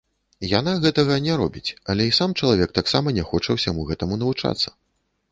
Яна гэтага не робіць, але і сам чалавек таксама не хоча ўсяму гэтаму навучацца.